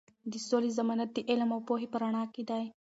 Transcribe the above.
د سولې ضمانت د علم او پوهې په رڼا کې دی.